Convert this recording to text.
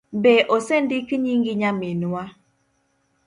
Be osendik nyingi nyaminwa?